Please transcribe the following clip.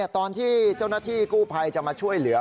ตอนที่เจ้าหน้าที่กู้ภัยจะมาช่วยเหลือ